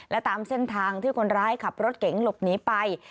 และตามเส้นทางที่คนร้ายขับรถเก๋งหลบหนีไป